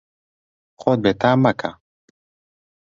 خۆت بێتام مەکە.